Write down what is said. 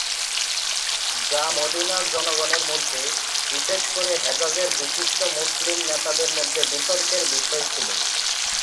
যা মদীনার জনগণের মধ্যে, বিশেষ করে হেজাজের বিশিষ্ট মুসলিম নেতাদের মধ্যে বিতর্কের বিষয় ছিল।